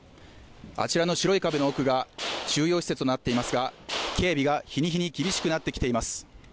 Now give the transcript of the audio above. あちらの白い壁の奥が収容施設となっていますが警備が日に日に厳しくなってきています。